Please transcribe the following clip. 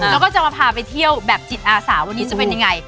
แล้วก็จะมาพาไปเที่ยวแบบจิตอาสาวันนี้จะเป็นยังไง